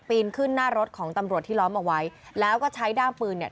นขึ้นหน้ารถของตำรวจที่ล้อมเอาไว้แล้วก็ใช้ด้ามปืนเนี่ย